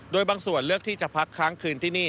โดยบางส่วนเลือกที่จะพักค้างคืนที่นี่